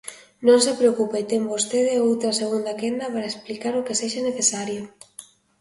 Non se preocupe, ten vostede outra segunda quenda para explicar o que sexa necesario.